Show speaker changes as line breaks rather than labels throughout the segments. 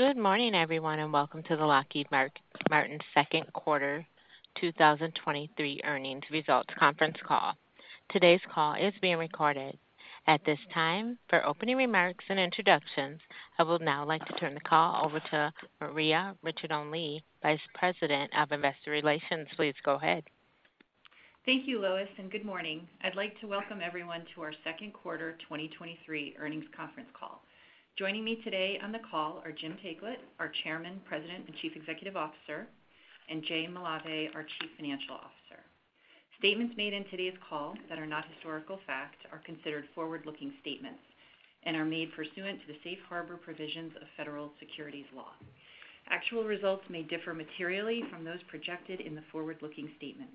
Good morning, everyone, and welcome to the Lockheed Martin Second Quarter 2023 Earnings Results Conference Call. Today's call is being recorded. At this time, for opening remarks and introductions, I will now like to turn the call over to Maria Ricciardone Lee, Vice President of Investor Relations. Please go ahead.
Thank you, Lois, and good morning. I'd like to welcome everyone to our second quarter 2023 earnings conference call. Joining me today on the call are Jim Taiclet, our Chairman, President, and Chief Executive Officer, and Jay Malave, our Chief Financial Officer. Statements made in today's call that are not historical facts are considered forward-looking statements and are made pursuant to the safe harbor provisions of federal securities law. Actual results may differ materially from those projected in the forward-looking statements.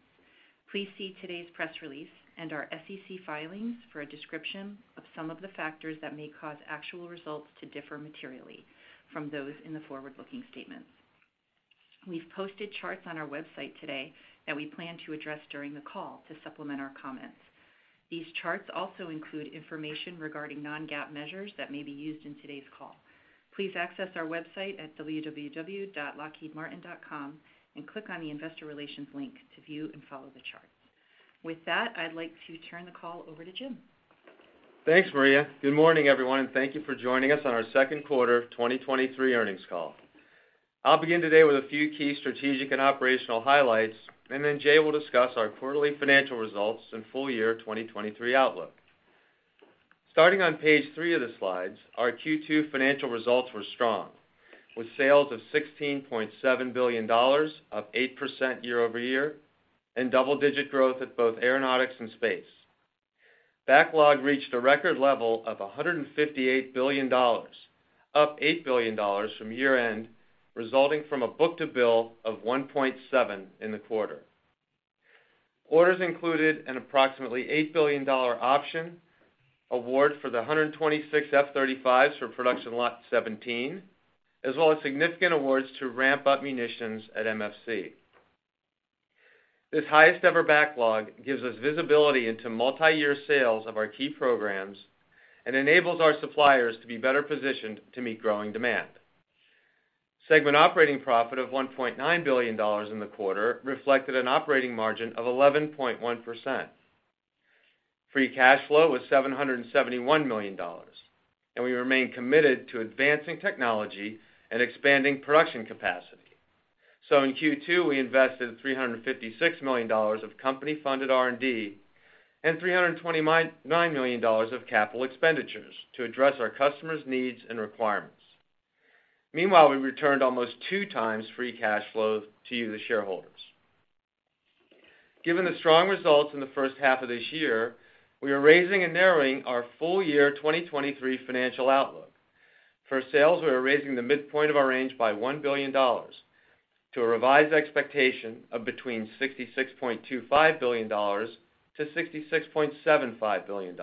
Please see today's press release and our SEC filings for a description of some of the factors that may cause actual results to differ materially from those in the forward-looking statements. We've posted charts on our website today that we plan to address during the call to supplement our comments. These charts also include information regarding non-GAAP measures that may be used in today's call. Please access our website at www.lockheedmartin.com and click on the Investor Relations link to view and follow the charts. With that, I'd like to turn the call over to Jim.
Thanks, Maria. Good morning, everyone, and thank you for joining us on our second quarter 2023 earnings call. I'll begin today with a few key strategic and operational highlights, and then Jay will discuss our quarterly financial results and full year 2023 outlook. Starting on page three of the slides, our Q2 financial results were strong, with sales of $16.7 billion, up 8% year-over-year, and double-digit growth at both Aeronautics and Space. Backlog reached a record level of $158 billion, up $8 billion from year-end, resulting from a book-to-bill of 1.7 in the quarter. Orders included an approximately $8 billion option award for the 126 F-35s for Production Lot 17, as well as significant awards to ramp up munitions at MFC. This highest ever backlog gives us visibility into multi-year sales of our key programs and enables our suppliers to be better positioned to meet growing demand. Segment operating profit of $1.9 billion in the quarter reflected an operating margin of 11.1%. Free cash flow was $771 million. We remain committed to advancing technology and expanding production capacity. In Q2, we invested $356 million of company-funded R&D and $329 million of capital expenditures to address our customers' needs and requirements. Meanwhile, we returned almost 2x free cash flow to you, the shareholders. Given the strong results in the first half of this year, we are raising and narrowing our full year 2023 financial outlook. For sales, we are raising the midpoint of our range by $1 billion to a revised expectation of between $66.25 billion-$66.75 billion.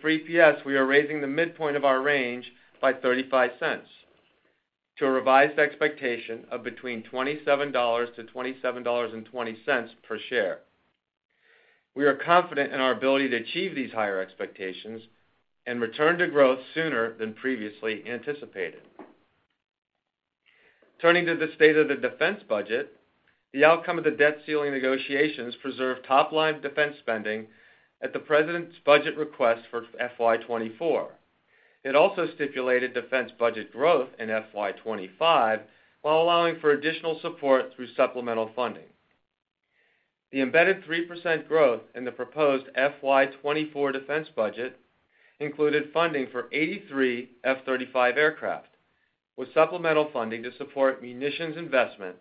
For EPS, we are raising the midpoint of our range by $0.35 to a revised expectation of between $27-$27.20 per share. We are confident in our ability to achieve these higher expectations and return to growth sooner than previously anticipated. Turning to the state of the defense budget, the outcome of the debt ceiling negotiations preserved top-line defense spending at the President's budget request for FY 2024. It also stipulated defense budget growth in FY 2025, while allowing for additional support through supplemental funding. The embedded 3% growth in the proposed FY 2024 defense budget included funding for 83 F-35 aircraft, with supplemental funding to support munitions investment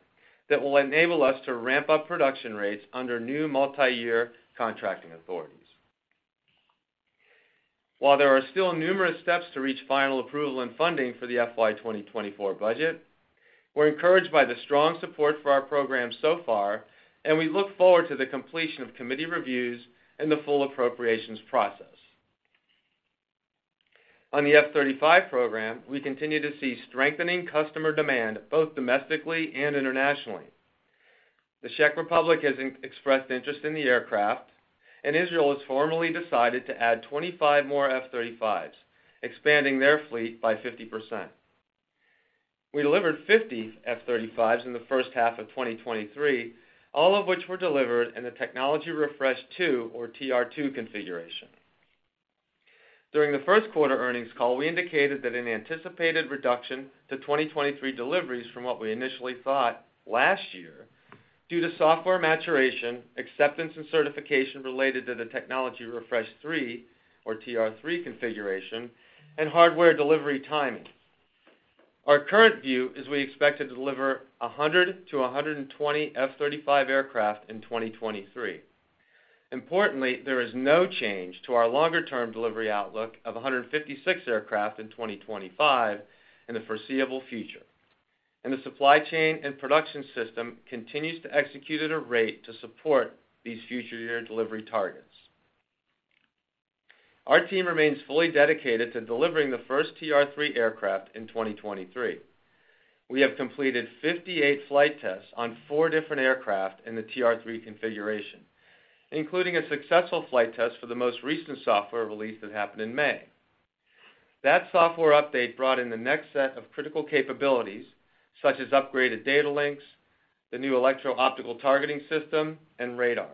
that will enable us to ramp up production rates under new multi-year contracting authorities. While there are still numerous steps to reach final approval and funding for the FY 2024 budget, we're encouraged by the strong support for our program so far. We look forward to the completion of committee reviews and the full appropriations process. On the F-35 program, we continue to see strengthening customer demand, both domestically and internationally. The Czech Republic has expressed interest in the aircraft. Israel has formally decided to add 25 more F-35s, expanding their fleet by 50%. We delivered 50 F-35s in the first half of 2023, all of which were delivered in the Technology Refresh 2, or TR-2, configuration. During the first quarter earnings call, we indicated that an anticipated reduction to 2023 deliveries from what we initially thought last year, due to software maturation, acceptance and certification related to the Technology Refresh 3 or TR-3 configuration, and hardware delivery timing. Our current view is we expect to deliver 100 to 120 F-35 aircraft in 2023. Importantly, there is no change to our longer-term delivery outlook of 156 aircraft in 2025 in the foreseeable future, and the supply chain and production system continues to execute at a rate to support these future year delivery targets. Our team remains fully dedicated to delivering the first TR-3 aircraft in 2023. We have completed 58 flight tests on four different aircraft in the TR-3 configuration, including a successful flight test for the most recent software release that happened in May. That software update brought in the next set of critical capabilities, such as upgraded data links, the new electro-optical targeting system, and radar.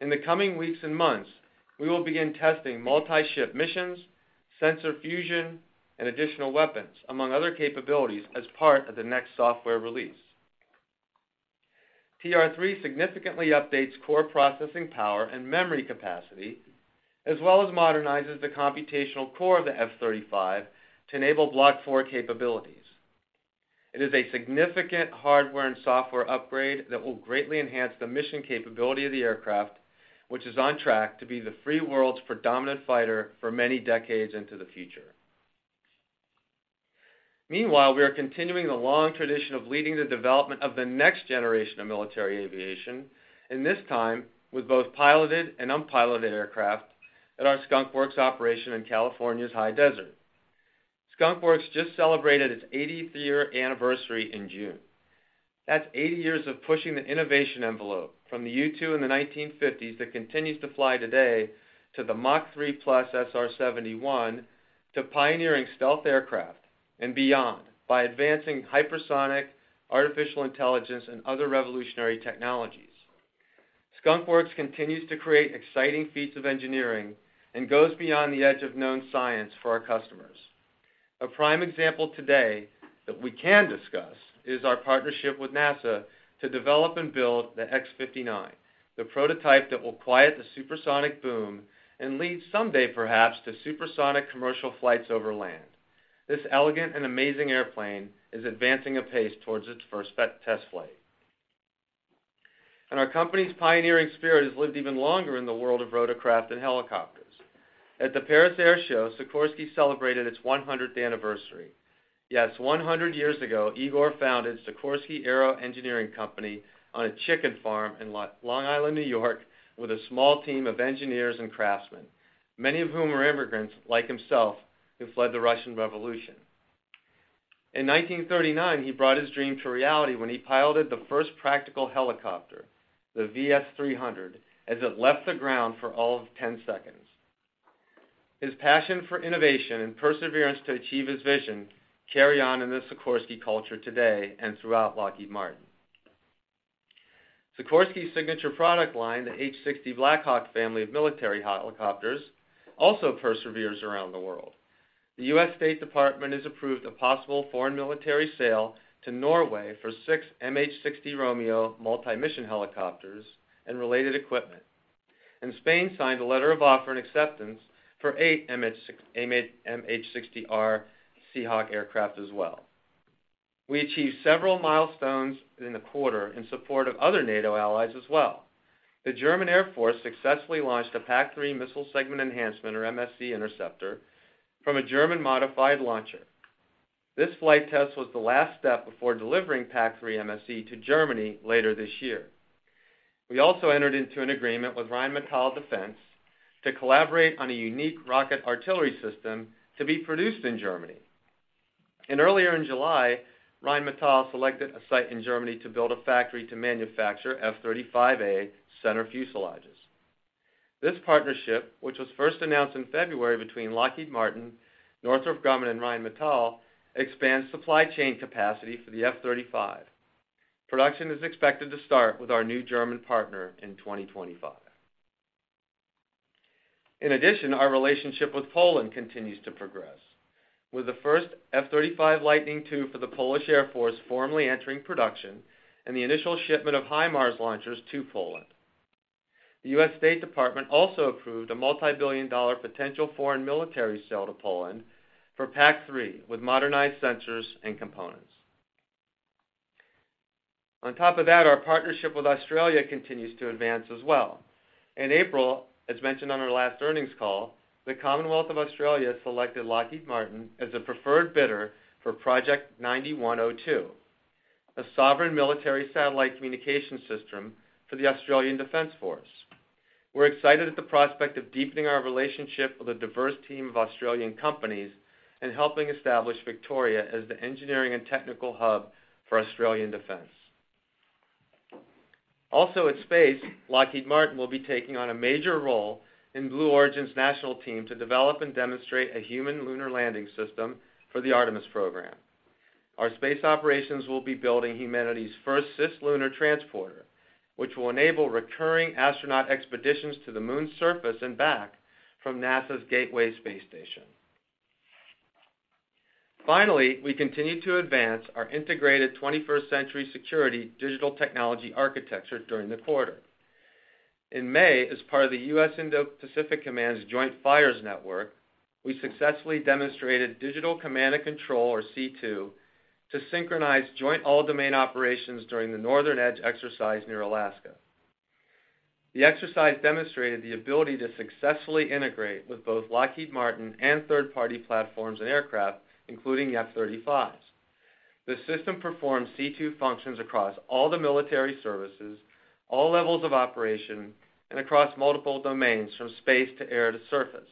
In the coming weeks and months, we will begin testing multi-ship missions, sensor fusion, and additional weapons, among other capabilities, as part of the next software release. TR-3 significantly updates core processing power and memory capacity, as well as modernizes the computational core of the F-35 to enable Block 4 capabilities. It is a significant hardware and software upgrade that will greatly enhance the mission capability of the aircraft, which is on track to be the free world's predominant fighter for many decades into the future. Meanwhile, we are continuing the long tradition of leading the development of the next generation of military aviation, and this time, with both piloted and unpiloted aircraft at our Skunk Works operation in California's high desert. Skunk Works just celebrated its 80th year anniversary in June. That's 80 years of pushing the innovation envelope from the U-2 in the 1950s that continues to fly today, to the Mach 3-plus SR-71, to pioneering stealth aircraft and beyond, by advancing hypersonic, artificial intelligence, and other revolutionary technologies. Skunk Works continues to create exciting feats of engineering and goes beyond the edge of known science for our customers. A prime example today, that we can discuss, is our partnership with NASA to develop and build the X-59, the prototype that will quiet the supersonic boom and lead someday, perhaps, to supersonic commercial flights over land. This elegant and amazing airplane is advancing apace toward its first test flight. Our company's pioneering spirit has lived even longer in the world of rotorcraft and helicopters. At the Paris Air Show, Sikorsky celebrated its 100th anniversary. 100 years ago, Igor founded Sikorsky Aero Engineering Corp. on a chicken farm in Long Island, New York, with a small team of engineers and craftsmen, many of whom were immigrants like himself, who fled the Russian Revolution. In 1939, he brought his dream to reality when he piloted the first practical helicopter, the VS-300, as it left the ground for all of 10 seconds. His passion for innovation and perseverance to achieve his vision carry on in the Sikorsky culture today and throughout Lockheed Martin. Sikorsky's signature product line, the H-60 Black Hawk family of military helicopters, also perseveres around the world. The U.S. State Department has approved a possible foreign military sale to Norway for 6 MH-60 Romeo multi-mission helicopters and related equipment, and Spain signed a letter of offer and acceptance for 8 MH-60R Seahawk aircraft as well. We achieved several milestones in the quarter in support of other NATO allies as well. The German Air Force successfully launched a PAC-3 Missile Segment Enhancement, or MSE, interceptor from a German-modified launcher. This flight test was the last step before delivering PAC-3 MSE to Germany later this year. We also entered into an agreement with Rheinmetall Defence to collaborate on a unique rocket artillery system to be produced in Germany. Earlier in July, Rheinmetall selected a site in Germany to build a factory to manufacture F-35A center fuselages. This partnership, which was first announced in February between Lockheed Martin, Northrop Grumman, and Rheinmetall, expands supply chain capacity for the F-35. Production is expected to start with our new German partner in 2025. In addition, our relationship with Poland continues to progress, with the first F-35 Lightning II for the Polish Air Force formally entering production and the initial shipment of HIMARS launchers to Poland. The U.S. State Department also approved a multibillion-dollar potential foreign military sale to Poland for PAC-3, with modernized sensors and components. On top of that, our partnership with Australia continues to advance as well. In April, as mentioned on our last earnings call, the Commonwealth of Australia selected Lockheed Martin as the preferred bidder for Project 9102, a sovereign military satellite communication system for the Australian Defence Force. We're excited at the prospect of deepening our relationship with a diverse team of Australian companies and helping establish Victoria as the engineering and technical hub for Australian defense. In space, Lockheed Martin will be taking on a major role in Blue Origin's national team to develop and demonstrate a human lunar landing system for the Artemis program. Our space operations will be building humanity's first cislunar transporter, which will enable recurring astronaut expeditions to the Moon's surface and back from NASA's Gateway space station. Finally, we continue to advance our integrated 21st century security digital technology architecture during the quarter. In May, as part of the U.S. Indo-Pacific Command's Joint Fires Network, we successfully demonstrated digital command and control, or C2, to synchronize joint all-domain operations during the Northern Edge exercise near Alaska. The exercise demonstrated the ability to successfully integrate with both Lockheed Martin and third-party platforms and aircraft, including F-35s. The system performs C2 functions across all the military services, all levels of operation, and across multiple domains, from space to air to surface.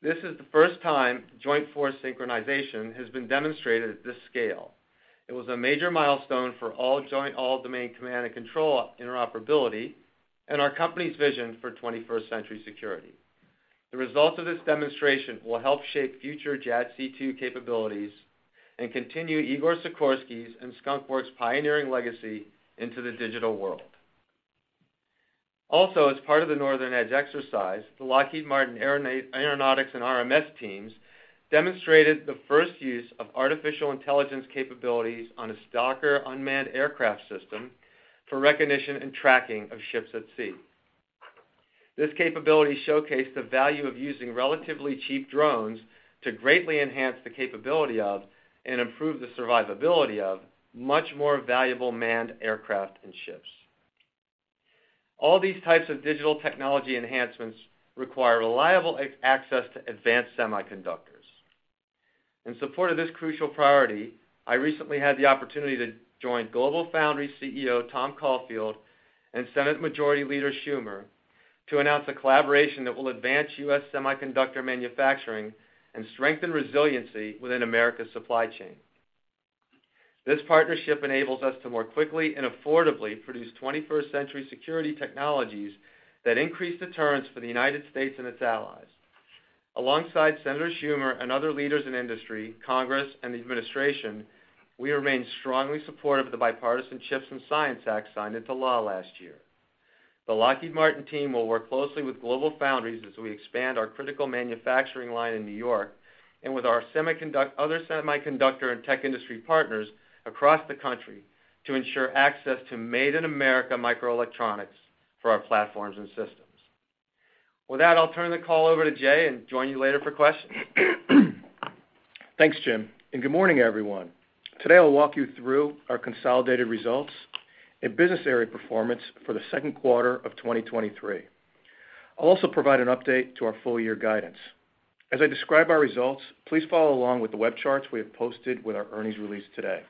This is the first time joint force synchronization has been demonstrated at this scale. It was a major milestone for all-joint, all-domain command and control interoperability, and our company's vision for 21st-century security. The results of this demonstration will help shape future JADC2 capabilities and continue Igor Sikorsky's and Skunk Works pioneering legacy into the digital world. Alsos, as part of the Northern Edge exercise, the Lockheed Martin Aeronautics and RMS teams demonstrated the first use of artificial intelligence capabilities on a Stalker unmanned aircraft system for recognition and tracking of ships at sea. This capability showcased the value of using relatively cheap drones to greatly enhance the capability of, and improve the survivability of, much more valuable manned aircraft and ships. All these types of digital technology enhancements require reliable access to advanced semiconductors. In support of this crucial priority, I recently had the opportunity to join GlobalFoundries CEO, Tom Caulfield, and Senate Majority Leader Schumer, to announce a collaboration that will advance U.S. semiconductor manufacturing and strengthen resiliency within America's supply chain. This partnership enables us to more quickly and affordably produce 21st-century security technologies that increase deterrence for the United States and its allies. Alongside Senator Schumer and other leaders in industry, Congress, and the administration, we remain strongly supportive of the bipartisan CHIPS and Science Act signed into law last year. The Lockheed Martin team will work closely with GlobalFoundries as we expand our critical manufacturing line in New York, and with our other semiconductor and tech industry partners across the country, to ensure access to made-in-America microelectronics for our platforms and systems. With that, I'll turn the call over to Jay and join you later for questions.
Thanks, Jim. Good morning, everyone. Today, I'll walk you through our consolidated results and business area performance for the second quarter of 2023. I'll also provide an update to our full year guidance. As I describe our results, please follow along with the web charts we have posted with our earnings release today.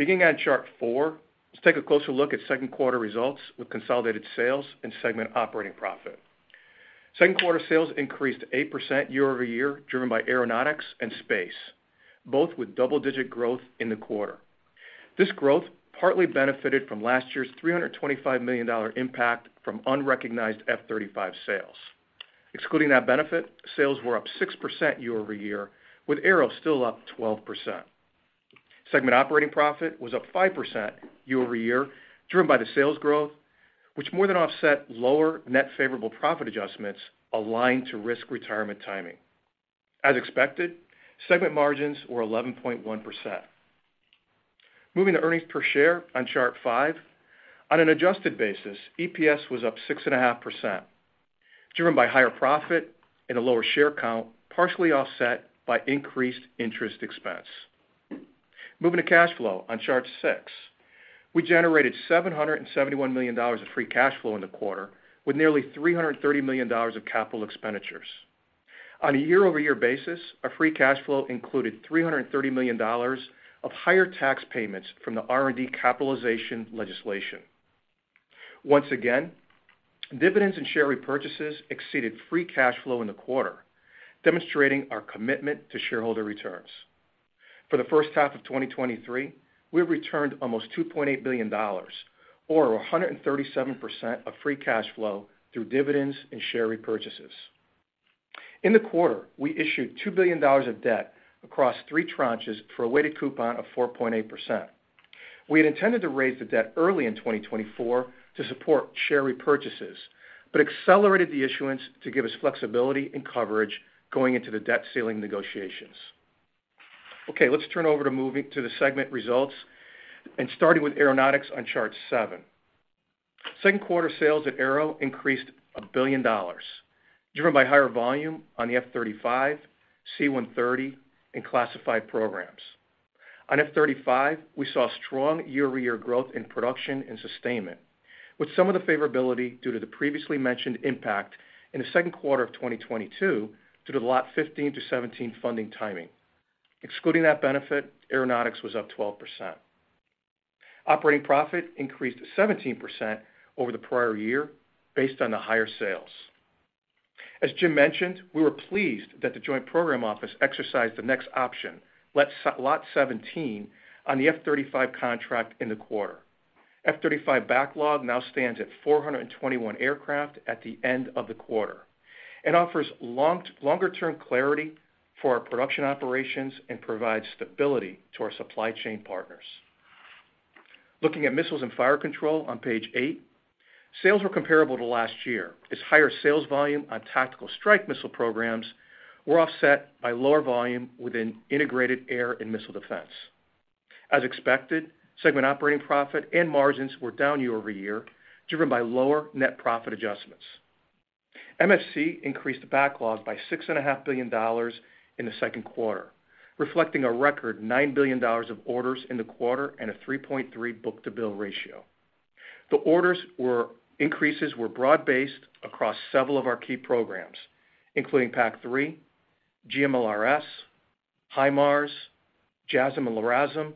Beginning on chart 4, let's take a closer look at second quarter results with consolidated sales and segment operating profit. Second quarter sales increased 8% year-over-year, driven by Aeronautics and Space, both with double-digit growth in the quarter. This growth partly benefited from last year's $325 million impact from unrecognized F-35 sales. Excluding that benefit, sales were up 6% year-over-year, with aero still up 12%. Segment operating profit was up 5% year-over-year, driven by the sales growth, which more than offset lower net favorable profit adjustments aligned to risk retirement timing. As expected, segment margins were 11.1%. Moving to earnings per share on chart 5. On an adjusted basis, EPS was up 6.5%, driven by higher profit and a lower share count, partially offset by increased interest expense. Moving to cash flow on chart 6, we generated $771 million of free cash flow in the quarter, with nearly $330 million of capital expenditures. On a year-over-year basis, our free cash flow included $330 million of higher tax payments from the R&D capitalization legislation. Once again, dividends and share repurchases exceeded free cash flow in the quarter, demonstrating our commitment to shareholder returns. For the first half of 2023, we've returned almost $2.8 billion or 137% of free cash flow through dividends and share repurchases. In the quarter, we issued $2 billion of debt across three tranches for a weighted coupon of 4.8%. We had intended to raise the debt early in 2024 to support share repurchases, accelerated the issuance to give us flexibility and coverage going into the debt ceiling negotiations. Let's turn over to moving to the segment results and starting with Aeronautics on Chart 7. Second quarter sales at Aero increased $1 billion, driven by higher volume on the F-35, C-130, and classified programs. F-35, we saw strong year-over-year growth in production and sustainment, with some of the favorability due to the previously mentioned impact in the second quarter of 2022 due to the Lot 15 to Lot 17 funding timing. Excluding that benefit, aeronautics was up 12%. Operating profit increased 17% over the prior year based on the higher sales. As Jim mentioned, we were pleased that the Joint Program Office exercised the next option, Lot 17, on the F-35 contract in the quarter. F-35 backlog now stands at 421 aircraft at the end of the quarter and offers longer-term clarity for our production operations and provides stability to our supply chain partners. Looking at Missiles and Fire Control on page eight, sales were comparable to last year, as higher sales volume on tactical strike missile programs were offset by lower volume within integrated air and missile defense. As expected, segment operating profit and margins were down year-over-year, driven by lower net profit adjustments. MFC increased the backlogs by $6.5 billion in the second quarter, reflecting a record $9 billion of orders in the quarter and a 3.3 book-to-bill ratio. The orders were broad-based across several of our key programs, including PAC-3, GMLRS, HIMARS, JASSM and LRASM,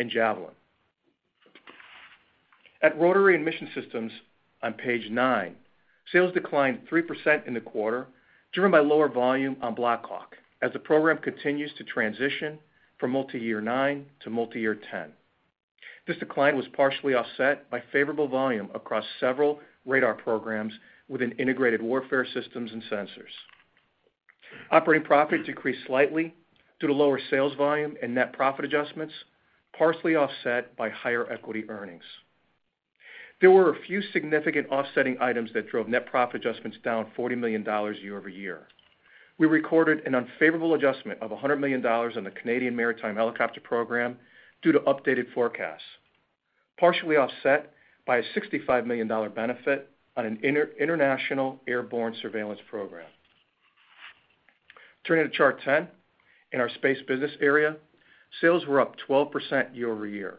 and Javelin. At Rotary and Mission Systems on page nine, sales declined 3% in the quarter, driven by lower volume on Black Hawk, as the program continues to transition from multi-year nine to multi-year 10. This decline was partially offset by favorable volume across several radar programs within integrated warfare systems and sensors. Operating profit decreased slightly due to lower sales volume and net profit adjustments, partially offset by higher equity earnings. There were a few significant offsetting items that drove net profit adjustments down $40 million year-over-year. We recorded an unfavorable adjustment of $100 million on the Canadian Maritime Helicopter program due to updated forecasts, partially offset by a $65 million benefit on an international airborne surveillance program. Turning to Chart 10, in our Space business area, sales were up 12% year-over-year,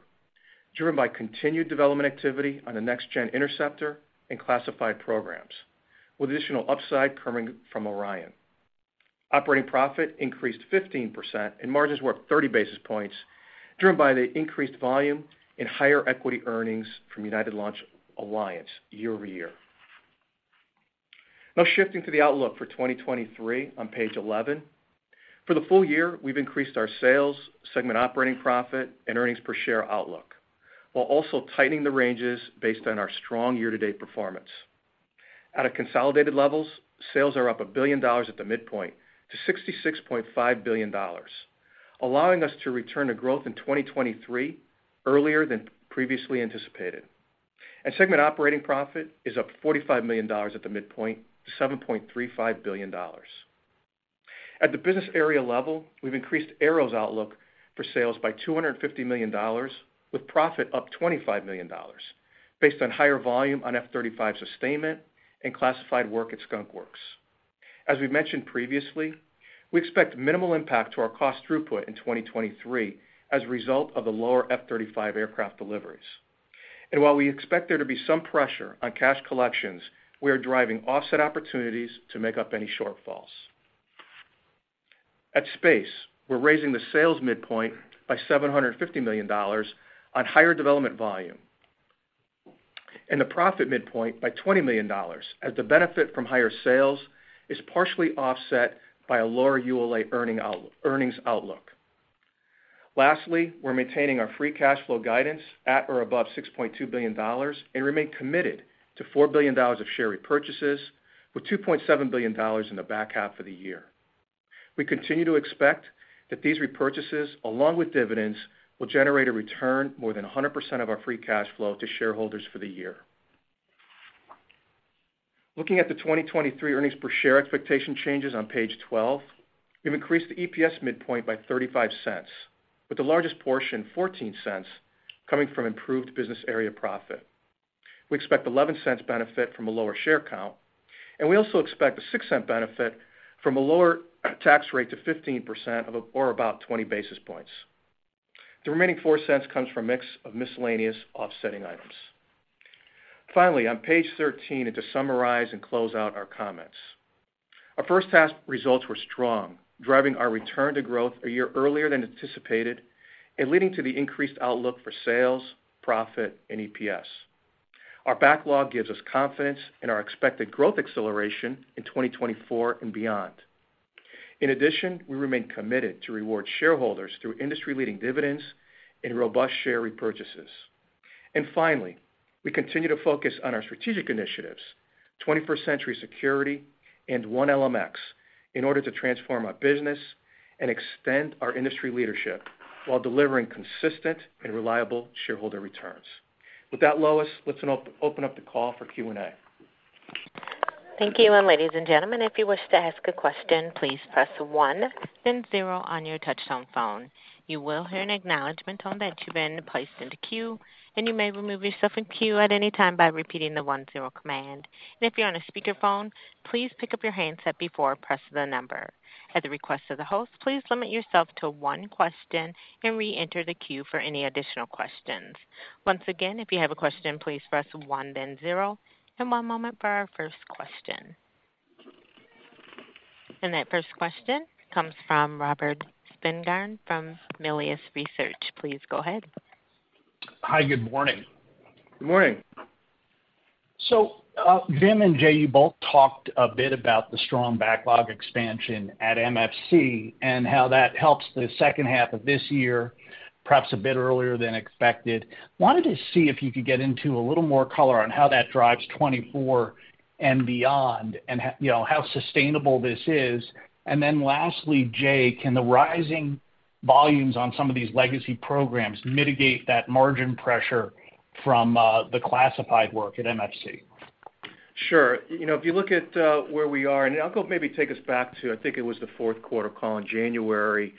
driven by continued development activity on the next-gen interceptor and classified programs, with additional upside coming from Orion. Operating profit increased 15%, and margins were up 30 basis points, driven by the increased volume and higher equity earnings from United Launch Alliance year-over-year. Now shifting to the outlook for 2023 on page 11. For the full year, we've increased our sales, segment operating profit, and earnings per share outlook, while also tightening the ranges based on our strong year-to-date performance. At a consolidated levels, sales are up $1 billion at the midpoint to $66.5 billion, allowing us to return to growth in 2023 earlier than previously anticipated. Segment operating profit is up $45 million at the midpoint to $7.35 billion. At the business area level, we've increased aero's outlook for sales by $250 million, with profit up $25 million based on higher volume on F-35 sustainment and classified work at Skunk Works. As we've mentioned previously, we expect minimal impact to our cost throughput in 2023 as a result of the lower F-35 aircraft deliveries. While we expect there to be some pressure on cash collections, we are driving offset opportunities to make up any shortfalls. At Space, we're raising the sales midpoint by $750 million on higher development volume, and the profit midpoint by $20 million, as the benefit from higher sales is partially offset by a lower ULA earnings outlook. We're maintaining our free cash flow guidance at or above $6.2 billion, and remain committed to $4 billion of share repurchases, with $2.7 billion in the back half of the year. We continue to expect that these repurchases, along with dividends, will generate a return more than 100% of our free cash flow to shareholders for the year. Looking at the 2023 earnings per share expectation changes on page 12, we've increased the EPS midpoint by $0.35, with the largest portion, $0.14, coming from improved business area profit. We expect $0.11 benefit from a lower share count, and we also expect a $0.06 benefit from a lower tax rate to 15% of or about 20 basis points. The remaining $0.04 comes from a mix of miscellaneous offsetting items. Finally, on page 13, to summarize and close out our comments. Our first half results were strong, driving our return to growth a year earlier than anticipated and leading to the increased outlook for sales, profit, and EPS. Our backlog gives us confidence in our expected growth acceleration in 2024 and beyond. In addition, we remain committed to reward shareholders through industry-leading dividends and robust share repurchases. Finally, we continue to focus on our strategic initiatives, 21st-century security and 1LMX, in order to transform our business and extend our industry leadership while delivering consistent and reliable shareholder returns. With that, Lois, let's open up the call for Q&A.
Thank you. Ladies and gentlemen, if you wish to ask a question, please press 1 then 0 on your touch-tone phone. You will hear an acknowledgment tone that you've been placed into queue, and you may remove yourself from queue at any time by repeating the 1-0 command. If you're on a speakerphone, please pick up your handset before pressing the number. At the request of the host, please limit yourself to one question and reenter the queue for any additional questions. Once again, if you have a question, please press 1, then 0, and one moment for our first question. That first question comes from Robert Spingarn from Melius Research. Please go ahead.
Hi, good morning.
Good morning.
Jim and Jay, you both talked a bit about the strong backlog expansion at MFC and how that helps the second half of this year, perhaps a bit earlier than expected. Wanted to see if you could get into a little more color on how that drives 2024 and beyond, you know, how sustainable this is? Lastly, Jay, can the rising volumes on some of these legacy programs mitigate that margin pressure from the classified work at MFC?
Sure. You know, if you look at, where we are, and I'll go maybe take us back to, I think it was the fourth quarter call in January.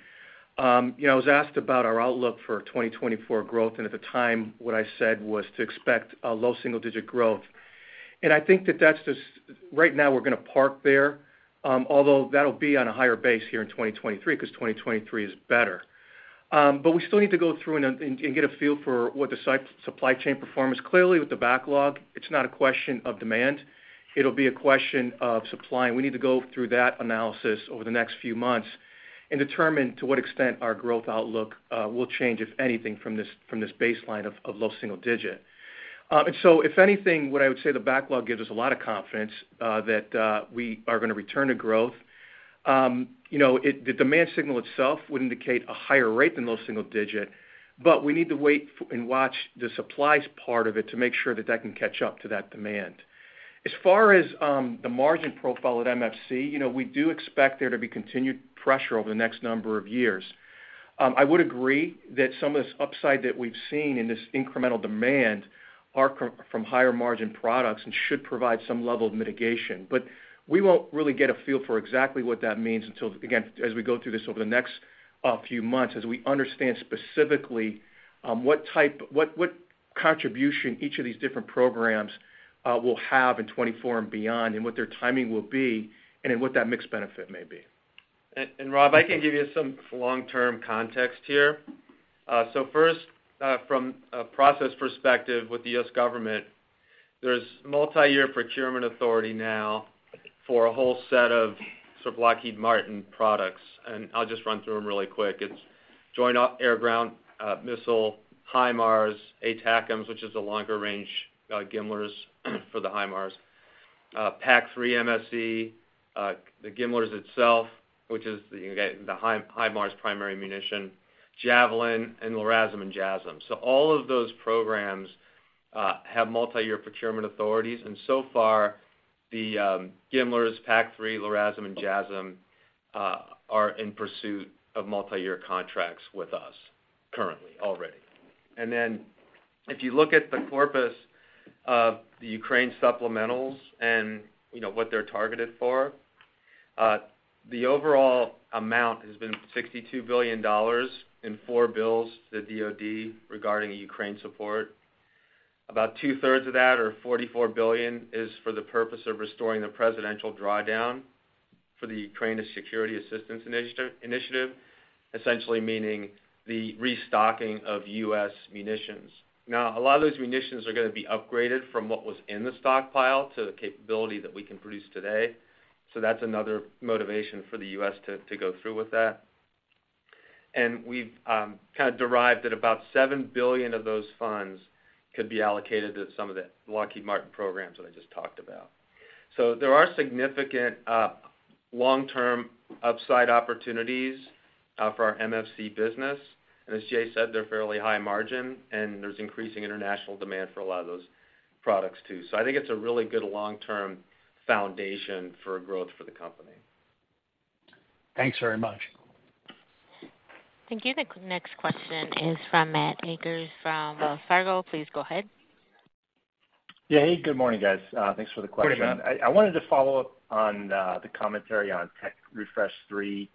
You know, I was asked about our outlook for 2024 growth, and at the time, what I said was to expect a low single-digit growth. I think that that's just. Right now, we're going to park there, although that'll be on a higher base here in 2023, because 2023 is better. We still need to go through and get a feel for what the supply chain performance. Clearly, with the backlog, it's not a question of demand. It'll be a question of supply. We need to go through that analysis over the next few months and determine to what extent our growth outlook will change, if anything, from this baseline of low single digit. If anything, what I would say, the backlog gives us a lot of confidence that we are gonna return to growth. You know, the demand signal itself would indicate a higher rate than low single digit, but we need to wait and watch the supplies part of it to make sure that that can catch up to that demand. As far as the margin profile at MFC, you know, we do expect there to be continued pressure over the next number of years. I would agree that some of this upside that we've seen in this incremental demand are from higher margin products and should provide some level of mitigation. We won't really get a feel for exactly what that means until, again, as we go through this over the next few months, as we understand specifically, what contribution each of these different programs will have in 2024 and beyond, and what their timing will be, and then what that mixed benefit may be.
Rob, I can give you some long-term context here. First, from a process perspective with the U.S. government, there's multi-year procurement authority now for a whole set of sort of Lockheed Martin products, and I'll just run through them really quick. It's Joint-Air-to-Ground Missile, HIMARS, ATACMS, which is the longer range GMLRS for the HIMARS, PAC-3 MSE, the GMLRS itself, which is the HIMARS primary munition, Javelin, LRASM, and JASSM. All of those programs have multi-year procurement authorities, and so far, the GMLRS, PAC-3, LRASM, and JASSM are in pursuit of multi-year contracts with us currently, already. If you look at the corpus of the Ukraine supplementals and, you know, what they're targeted for, the overall amount has been $62 billion in four bills to the DOD regarding the Ukraine support. About two-thirds of that, or $44 billion, is for the purpose of restoring the presidential drawdown for the Ukraine Security Assistance Initiative, essentially meaning the restocking of U.S. munitions. A lot of those munitions are gonna be upgraded from what was in the stockpile to the capability that we can produce today, that's another motivation for the U.S. to go through with that. We've kind of derived that about $7 billion of those funds could be allocated to some of the Lockheed Martin programs that I just talked about. There are significant long-term upside opportunities for our MFC business. As Jay said, they're fairly high margin, and there's increasing international demand for a lot of those products, too. I think it's a really good long-term foundation for growth for the company.
Thanks very much.
Thank you. The next question is from Matthew Akers from Wells Fargo. Please go ahead.
Yeah. Hey, good morning, guys. Thanks for the question.
Good morning, Matt.
I wanted to follow up on the commentary on Tech Refresh 3.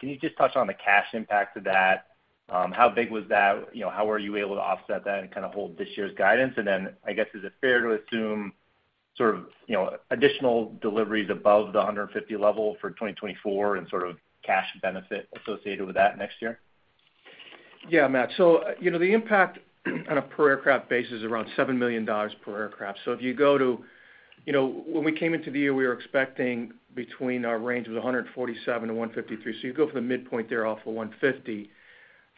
Can you just touch on the cash impact of that? How big was that? You know, how were you able to offset that and kind of hold this year's guidance? I guess, is it fair to assume sort of, you know, additional deliveries above the 150 level for 2024 and sort of cash benefit associated with that next year?
Yeah, Matt. you know, the impact on a per aircraft basis is around $7 million per aircraft. If you go to, you know, when we came into the year, we were expecting between our range of 147-153. You go from the midpoint there, off of 150,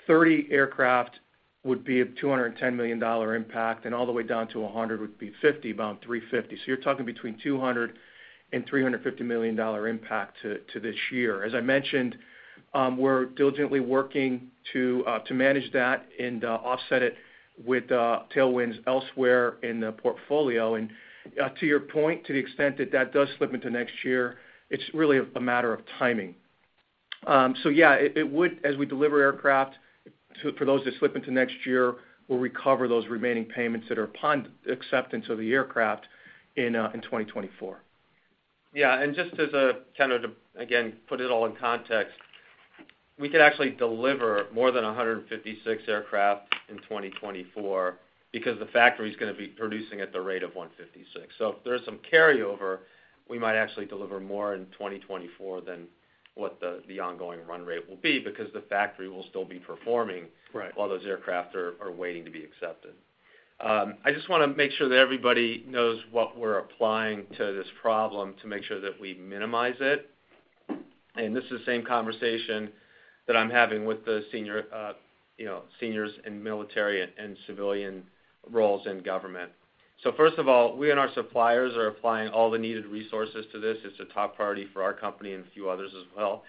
30 aircraft would be a $210 million impact, and all the way down to 100 would be 50, about $350 million. You're talking between $200 million-$350 million impact to this year. As I mentioned, we're diligently working to manage that and offset it with tailwinds elsewhere in the portfolio. To your point, to the extent that that does slip into next year, it's really a matter of timing. Yeah, it would, as we deliver aircraft, for those that slip into next year, we'll recover those remaining payments that are upon acceptance of the aircraft in 2024.
Yeah, just as a kind of, again, put it all in context, we could actually deliver more than 156 aircraft in 2024 because the factory is gonna be producing at the rate of 156. If there's some carryover, we might actually deliver more in 2024 than what the ongoing run rate will be, because the factory will still be performing.
Right.
While those aircraft are waiting to be accepted. I just wanna make sure that everybody knows what we're applying to this problem to make sure that we minimize it. This is the same conversation that I'm having with the senior, you know, seniors in military and civilian roles in government. First of all, we and our suppliers are applying all the needed resources to this. It's a top priority for our company and a few others as well.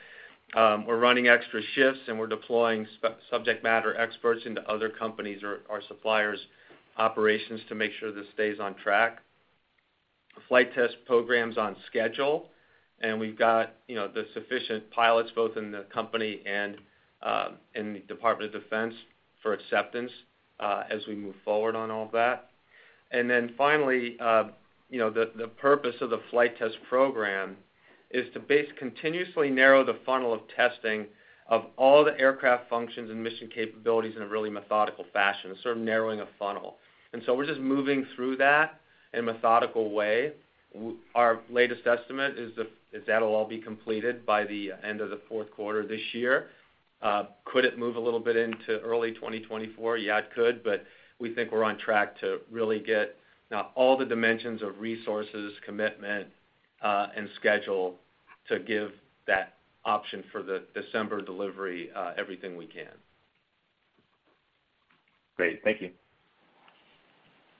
We're running extra shifts, and we're deploying subject matter experts into other companies or our suppliers' operations to make sure this stays on track. The flight test program's on schedule, and we've got, you know, the sufficient pilots, both in the company and in the Department of Defense, for acceptance, as we move forward on all of that. Finally, you know, the purpose of the flight test program is to continuously narrow the funnel of testing of all the aircraft functions and mission capabilities in a really methodical fashion, sort of narrowing a funnel. We're just moving through that in a methodical way. Our latest estimate is that'll all be completed by the end of the fourth quarter this year. Could it move a little bit into early 2024? Yeah, it could, but we think we're on track to really. Now, all the dimensions of resources, commitment, and schedule to give that option for the December delivery, everything we can.
Great. Thank you.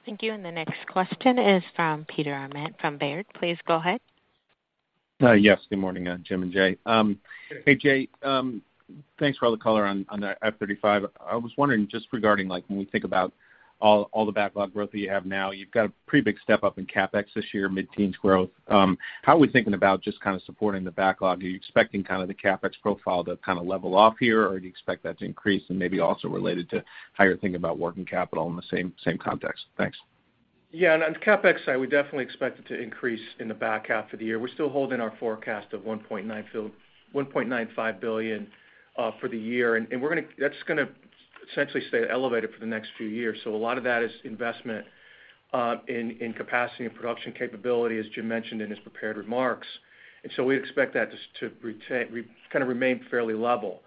Thank you. The next question is from Peter Arment from Baird. Please go ahead.
Yes, good morning, Jim and Jay. Hey, Jay, thanks for all the color on the F-35. I was wondering, just regarding, like, when we think about all the backlog growth that you have now, you've got a pretty big step up in CapEx this year, mid-teens growth. How are we thinking about just kind of supporting the backlog? Are you expecting kind of the CapEx profile to kind of level off here, or do you expect that to increase? And maybe also related to how you're thinking about working capital in the same context. Thanks.
Yeah, on the CapEx side, we definitely expect it to increase in the back half of the year. We're still holding our forecast of $1.95 billion for the year, and that's gonna essentially stay elevated for the next few years. A lot of that is investment in capacity and production capability, as Jim mentioned in his prepared remarks. We expect that just to remain fairly level.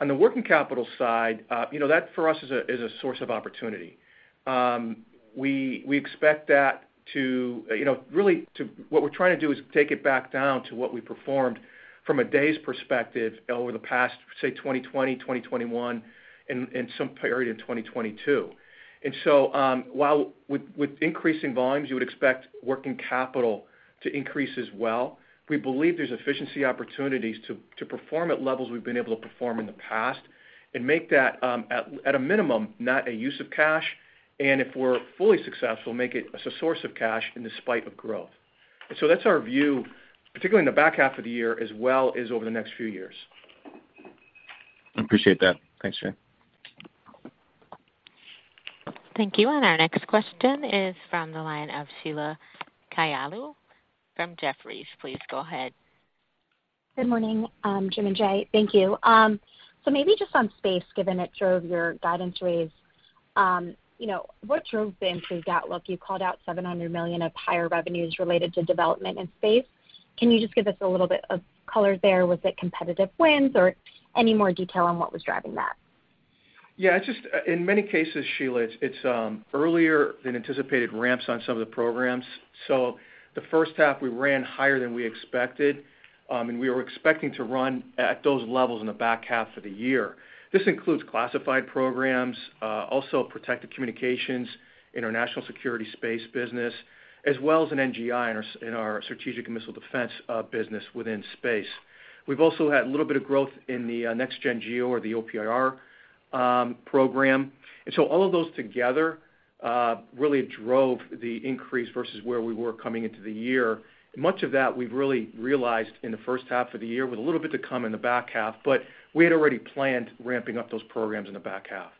On the working capital side, you know, that for us, is a source of opportunity. We expect that to, you know, What we're trying to do is take it back down to what we performed from a days perspective over the past, say, 2020, 2021, and some period of 2022. While with increasing volumes, you would expect working capital to increase as well, we believe there's efficiency opportunities to perform at levels we've been able to perform in the past and make that at a minimum, not a use of cash, and if we're fully successful, make it as a source of cash in despite of growth. That's our view, particularly in the back half of the year, as well as over the next few years.
Appreciate that. Thanks, Jay.
Thank you. Our next question is from the line of Sheila Kahyaoglu from Jefferies. Please go ahead.
Good morning, Jim and Jay. Thank you. Maybe just on Space, given it drove your guidance rates, you know, what drove the improved outlook? You called out $700 million of higher revenues related to development in Space. Can you just give us a little bit of color there? Was it competitive wins or any more detail on what was driving that?
Yeah, it's just, in many cases, Sheila, it's earlier than anticipated ramps on some of the programs. The first half, we ran higher than we expected, and we were expecting to run at those levels in the back half of the year. This includes classified programs, also protected communications, international security Space business, as well as in NGI, in our strategic and missile defense business within Space. We've also had a little bit of growth in the next-gen geo or the OPIR program. All of those together really drove the increase versus where we were coming into the year. Much of that we've really realized in the first half of the year, with a little bit to come in the back half, we had already planned ramping up those programs in the back half.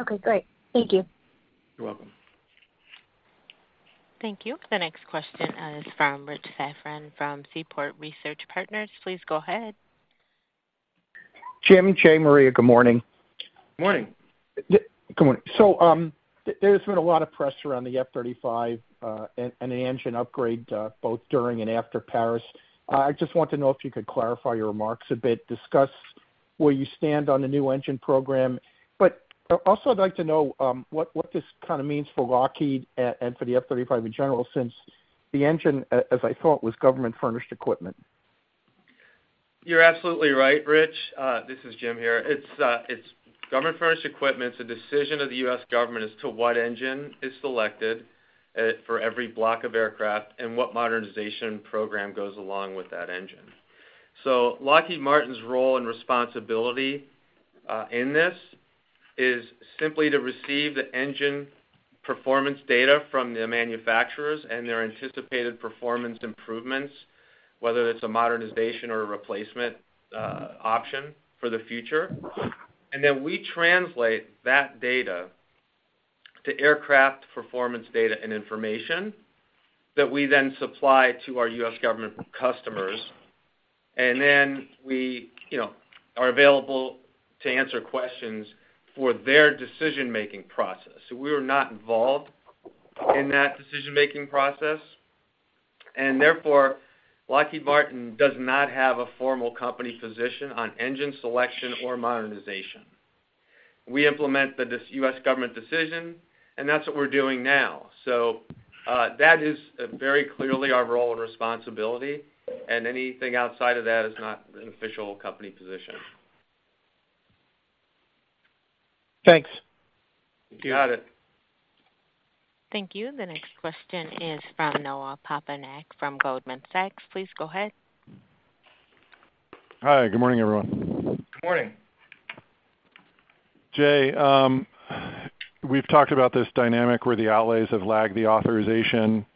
Okay, great. Thank you.
You're welcome.
Thank you. The next question is from Richard Safran from Seaport Research Partners. Please go ahead.
Jim, Jay, Maria, good morning.
Morning!
Good morning. There's been a lot of press around the F-35, and the engine upgrade, both during and after Paris. I just want to know if you could clarify your remarks a bit, discuss where you stand on the new engine program. Also I'd like to know, what this kind of means for Lockheed and for the F-35 in general, since the engine, as I thought, was government-furnished equipment.
You're absolutely right, Rich. This is Jim here. It's government-furnished equipment. It's a decision of the U.S. government as to what engine is selected for every block of aircraft and what modernization program goes along with that engine. Lockheed Martin's role and responsibility in this is simply to receive the engine performance data from the manufacturers and their anticipated performance improvements, whether it's a modernization or a replacement option for the future. We translate that data to aircraft performance data and information that we then supply to our U.S. government customers, and then we, you know, are available to answer questions for their decision-making process. We are not involved in that decision-making process, and therefore, Lockheed Martin does not have a formal company position on engine selection or modernization. We implement the U.S. government decision, and that's what we're doing now. That is very clearly our role and responsibility, and anything outside of that is not an official company position.
Thanks.
You got it.
Thank you. The next question is from Noah Poponak from Goldman Sachs. Please go ahead.
Hi, good morning, everyone.
Good morning.
Jay, we've talked about this dynamic where the outlays have lagged the authorization.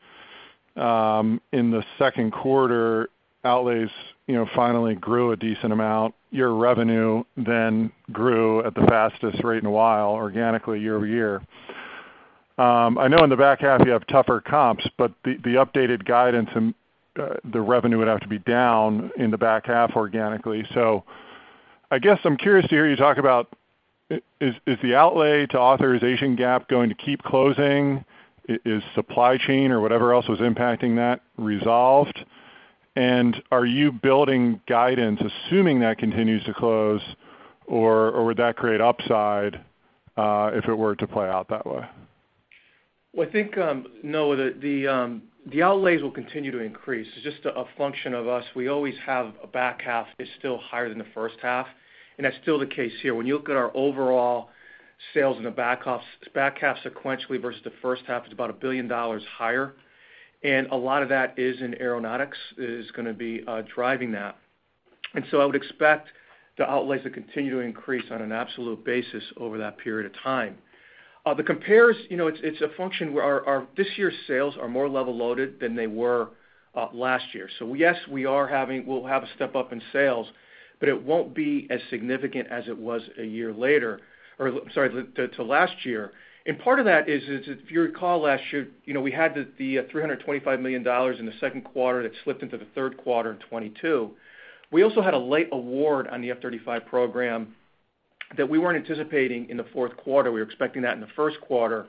In the second quarter, outlays, you know, finally grew a decent amount. Your revenue then grew at the fastest rate in a while, organically year-over-year. I know in the back half, you have tougher comps, but the updated guidance and the revenue would have to be down in the back half organically. I guess I'm curious to hear you talk about, is the outlay to authorization gap going to keep closing? Is supply chain or whatever else was impacting that resolved? Are you building guidance, assuming that continues to close, or would that create upside if it were to play out that way?
I think, no, the outlays will continue to increase. It's just a function of us. We always have a back half is still higher than the first half, and that's still the case here. When you look at our overall sales in the back half, back half sequentially versus the first half, is about $1 billion higher, and a lot of that is in aeronautics, is gonna be driving that. I would expect the outlays to continue to increase on an absolute basis over that period of time. The compares, you know, it's a function where our this year's sales are more level loaded than they were last year. Yes, we'll have a step up in sales, but it won't be as significant as it was a year later, or sorry, to last year. Part of that is if you recall, last year, you know, we had $325 million in the second quarter that slipped into the third quarter in 2022. We also had a late award on the F-35 program that we weren't anticipating in the fourth quarter. We were expecting that in the first quarter,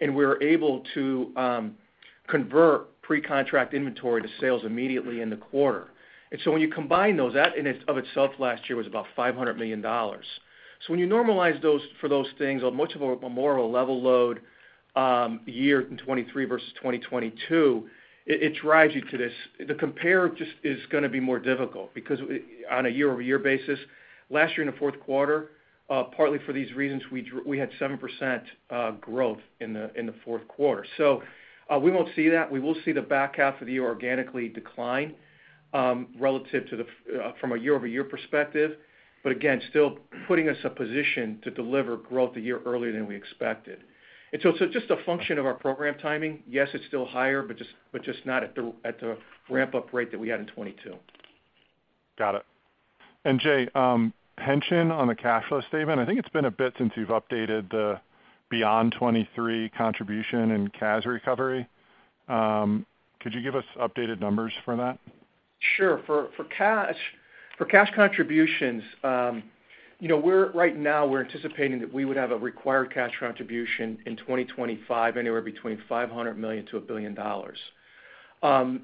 and we were able to convert pre-contract inventory to sales immediately in the quarter. When you combine those, that in of itself last year was about $500 million. When you normalize those, for those things, much of a more of a level load, year in 2023 versus 2022, it drives you to this. The compare just is gonna be more difficult because on a year-over-year basis, last year, in the fourth quarter, partly for these reasons, we had 7% growth in the fourth quarter. We won't see that. We will see the back half of the year organically decline, relative to the from a year-over-year perspective, but again, still putting us a position to deliver growth a year earlier than we expected. Just a function of our program timing. Yes, it's still higher, but just not at the ramp-up rate that we had in 2022.
Got it. Jay, pension on the cash flow statement, I think it's been a bit since you've updated the beyond 2023 contribution and cash recovery. Could you give us updated numbers for that?
Sure. For cash contributions, you know, we're right now anticipating that we would have a required cash contribution in 2025, anywhere between $500 million to $1 billion.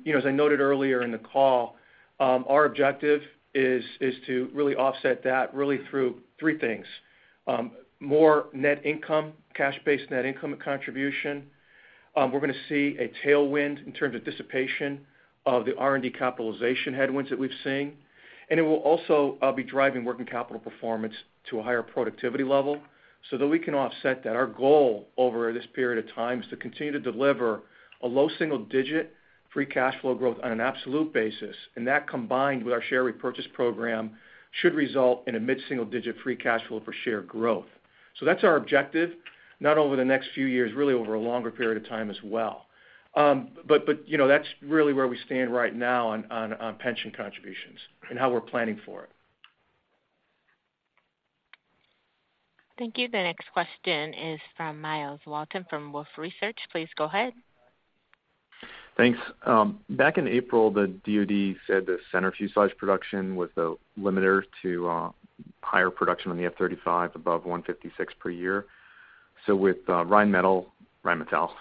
You know, as I noted earlier in the call, our objective is to really offset that through three things: more net income, cash-based net income contribution, we're gonna see a tailwind in terms of dissipation of the R&D capitalization headwinds that we've seen, and it will also be driving working capital performance to a higher productivity level so that we can offset that. Our goal over this period of time is to continue to deliver a low single-digit free cash flow growth on an absolute basis, and that, combined with our share repurchase program, should result in a mid-single-digit free cash flow per share growth. That's our objective, not over the next few years, really over a longer period of time as well. But, you know, that's really where we stand right now on pension contributions and how we're planning for it.
Thank you. The next question is from Myles Walton from Wolfe Research. Please go ahead.
Thanks. Back in April, the DOD said the center fuselage production was the limiter to higher production on the F-35 above 156 per year. With Rheinmetall,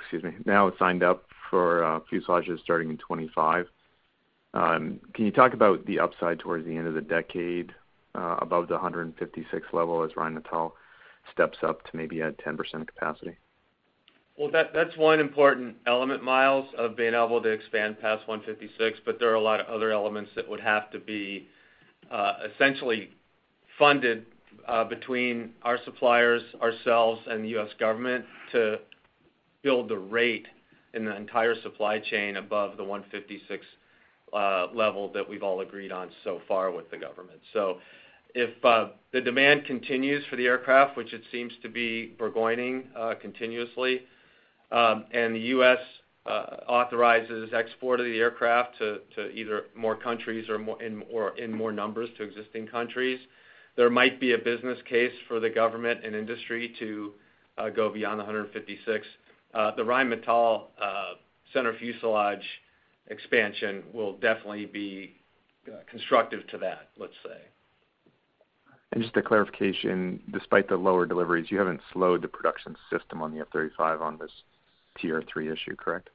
excuse me, now signed up for fuselages starting in 2025, can you talk about the upside towards the end of the decade above the 156 level, as Rheinmetall steps up to maybe at 10% capacity?
That's one important element, Myles, of being able to expand past 156, but there are a lot of other elements that would have to be essentially funded between our suppliers, ourselves, and the U.S. government to build the rate in the entire supply chain above the 156 level that we've all agreed on so far with the government. If the demand continues for the aircraft, which it seems to be burgeoning continuously, and the U.S. authorizes export of the aircraft to either more countries and, or in more numbers to existing countries, there might be a business case for the government and industry to go beyond the 156. The Rheinmetall center fuselage expansion will definitely be constructive to that, let's say.
Just a clarification, despite the lower deliveries, you haven't slowed the production system on the F-35 on this TR-3 issue, correct?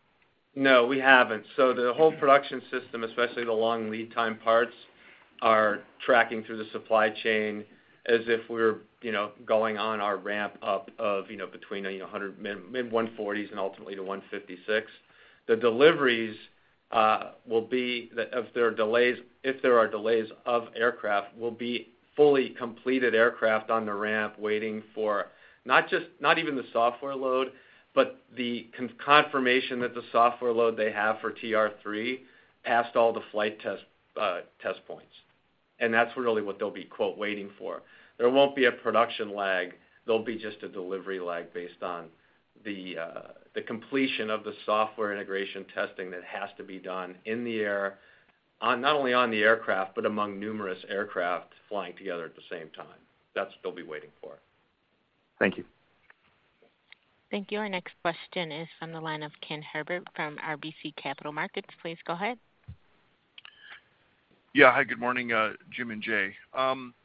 No, we haven't. The whole production system, especially the long lead time parts, are tracking through the supply chain as if we're, you know, going on our ramp up of, you know, between, you know, 100, mid-140s and ultimately to 156. The deliveries will be, if there are delays of aircraft, will be fully completed aircraft on the ramp waiting for not just, not even the software load, but the confirmation that the software load they have for TR-3, passed all the flight test test points. That's really what they'll be, quote, "waiting for." There won't be a production lag. There'll be just a delivery lag based on the completion of the software integration testing that has to be done in the air, on, not only on the aircraft, but among numerous aircraft flying together at the same time. That's what they'll be waiting for.
Thank you.
Thank you. Our next question is from the line of Kenneth Herbert from RBC Capital Markets. Please go ahead.
Yeah. Hi, good morning, Jim and Jay.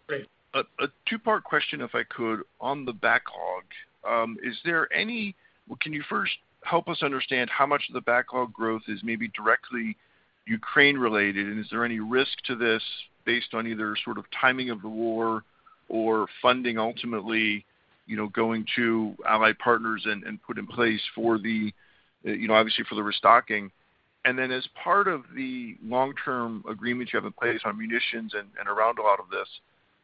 Great.
A two-part question, if I could, on the backlog. Can you first help us understand how much of the backlog growth is maybe directly Ukraine-related? Is there any risk to this based on either sort of timing of the war or funding ultimately, you know, going to ally partners and put in place for the, you know, obviously, for the restocking? As part of the long-term agreements you have in place on munitions and around a lot of this,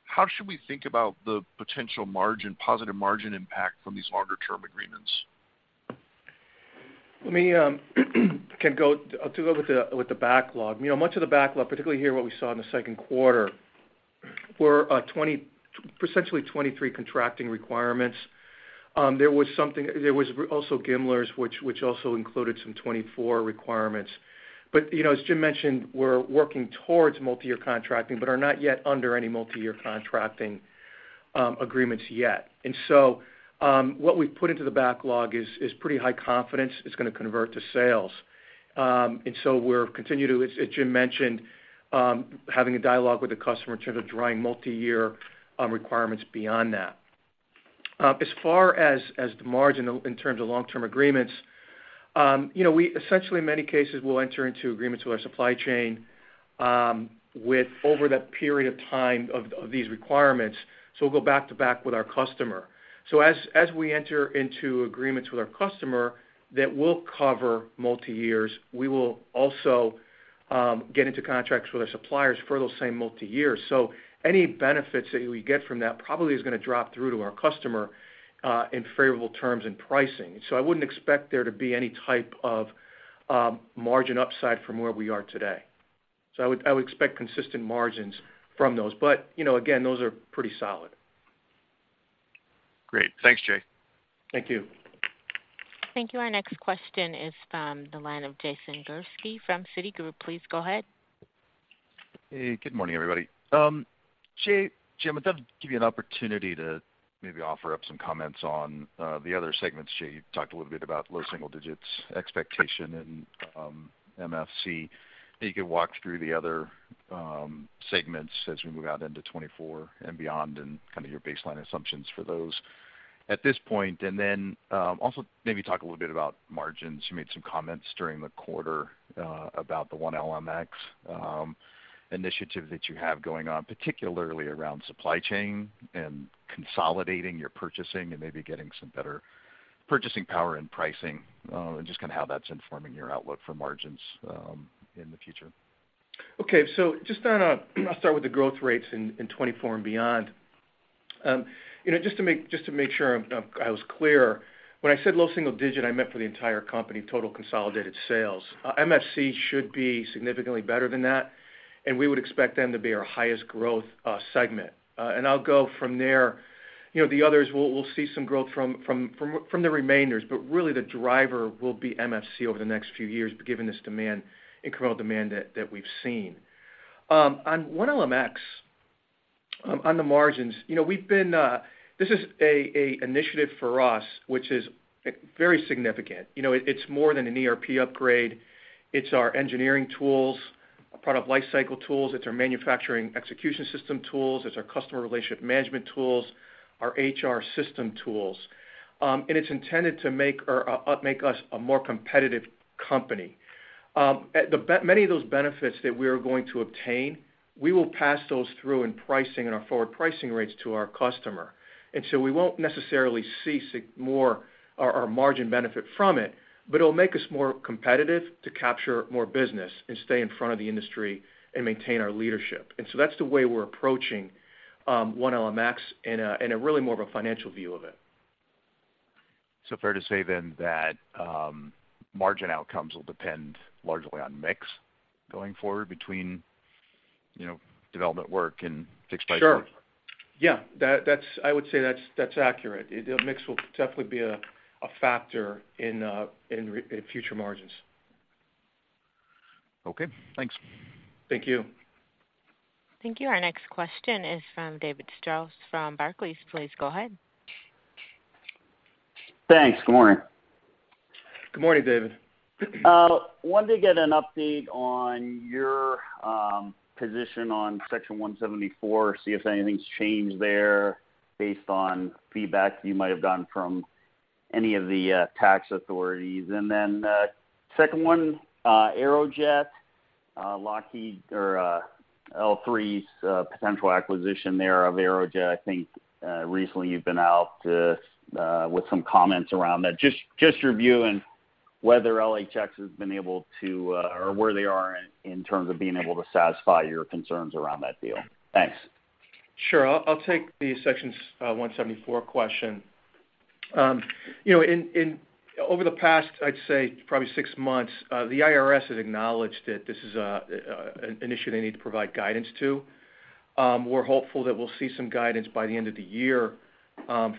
how should we think about the potential margin, positive margin impact from these longer-term agreements?
Let me, I'll go with the backlog. You know, much of the backlog, particularly here, what we saw in the second quarter, were essentially 2023 contracting requirements. There was something, there was also GMLRS, which also included some 2024 requirements. You know, as Jim mentioned, we're working towards multi-year contracting, but are not yet under any multi-year contracting agreements yet. What we've put into the backlog is pretty high confidence it's gonna convert to sales. We're continue to, as Jim mentioned, having a dialogue with the customer in terms of drawing multi-year requirements beyond that. As far as the margin in terms of long-term agreements, you know, we essentially, in many cases, will enter into agreements with our supply chain, with over that period of time of these requirements, so we'll go back to back with our customer. As we enter into agreements with our customer, that we'll cover multi-years, we will also get into contracts with our suppliers for those same multi-years. Any benefits that we get from that probably is gonna drop through to our customer, in favorable terms and pricing. I wouldn't expect there to be any type of margin upside from where we are today. I would expect consistent margins from those. You know, again, those are pretty solid.
Great. Thanks, Jay.
Thank you.
Thank you. Our next question is from the line of Jason Gursky from Citigroup. Please go ahead.
Hey, good morning, everybody. Jim, I'd love to give you an opportunity to maybe offer up some comments on the other segments. Jay, you talked a little bit about low single digits expectation in MFC. Maybe you could walk through the other segments as we move out into 2024 and beyond, and kind of your baseline assumptions for those. At this point, and then also maybe talk a little bit about margins. You made some comments during the quarter about the 1LMX initiative that you have going on, particularly around supply chain and consolidating your purchasing and maybe getting some better purchasing power and pricing, and just kind of how that's informing your outlook for margins in the future.
Okay. I'll start with the growth rates in 2024 and beyond. You know, just to make sure, I was clear. When I said low single digit, I meant for the entire company, total consolidated sales. MFC should be significantly better than that, and we would expect them to be our highest growth segment. I'll go from there. You know, the others, we'll see some growth from the remainders, but really the driver will be MFC over the next few years, given this demand, incremental demand that we've seen. On 1LMX, on the margins, you know, we've been. This is a initiative for us, which is very significant. You know, it's more than an ERP upgrade. It's our engineering tools, our product life cycle tools, it's our manufacturing execution system tools, it's our customer relationship management tools, our HR system tools. It's intended to make us a more competitive company. Many of those benefits that we are going to obtain, we will pass those through in pricing and our forward pricing rates to our customer. We won't necessarily see more our margin benefit from it, but it'll make us more competitive to capture more business and stay in front of the industry and maintain our leadership. That's the way we're approaching 1LMX in a really more of a financial view of it.
fair to say then that, margin outcomes will depend largely on mix going forward between, you know, development work and fixed price?
Sure. I would say that's accurate. The mix will definitely be a factor in future margins.
Okay, thanks.
Thank you.
Thank you. Our next question is from David Strauss from Barclays. Please go ahead.
Thanks. Good morning.
Good morning, David.
Wanted to get an update on your position on Section 174, see if anything's changed there based on feedback you might have gotten from any of the tax authorities. Second one, Aerojet, Lockheed or L3's potential acquisition there of Aerojet. I think recently you've been out with some comments around that. Just your view on whether LHX has been able to or where they are in terms of being able to satisfy your concerns around that deal. Thanks.
Sure. I'll take the Section 174 question. you know, in over the past, I'd say probably six months, the IRS has acknowledged that this is an issue they need to provide guidance to. We're hopeful that we'll see some guidance by the end of the year